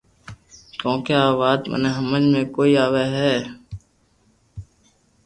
ڪونڪھ آ وات مني ھمگ ۾ڪوئي آوي ھي